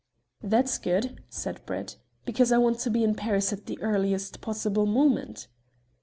"That's good," said Brett, "because I want to be in Paris at the earliest possible moment."